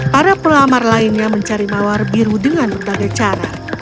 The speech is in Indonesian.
para pelamar lainnya mencari mawar biru dengan berbagai cara